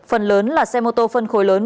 phần lớn là xe mô tô phân khối lớn